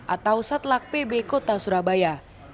atau satlak pb kota surabaya